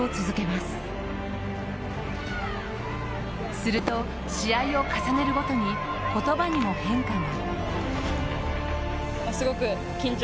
すると、試合を重ねるごとに言葉にも変化が。